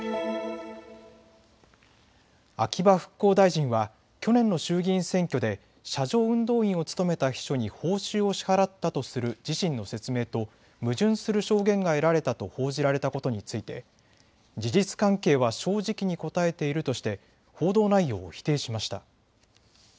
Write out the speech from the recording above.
秋葉復興大臣は去年の衆議院選挙で車上運動員を務めた秘書に報酬を支払ったとする自身の説明と矛盾する証言が得られたと報じられたことについて事実関係は正直に答えているとして報道内容を否定しました。